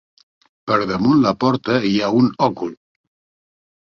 Per damunt la porta hi ha un òcul.